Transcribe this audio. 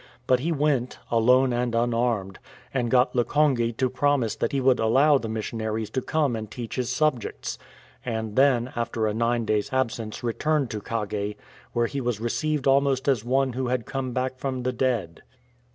But he went, alone and unarmed, and got Lkonge to promise that he would allow the missionaries to come and teach his subjects ; and then after a nine days' absence returned to Kagei, where he was received almost as one who had come back from the dead.